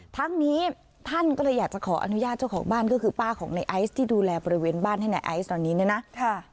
ทั้งนี้ท่านก็เลยอยากจะขออนุญาตเจ้าของบ้านก็คือป้าของในไอซ์ที่ดูแลบริเวณบ้านให้ในไอซ์ตอนนี้เนี่ยนะ